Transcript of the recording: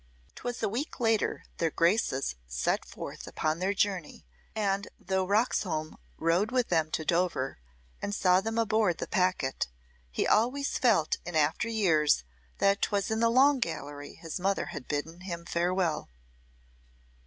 'Twas a week later their Graces set forth upon their journey, and though Roxholm rode with them to Dover, and saw them aboard the packet, he always felt in after years that 'twas in the Long Gallery his mother had bidden him farewell.